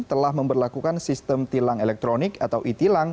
telah memperlakukan sistem tilang elektronik atau e tilang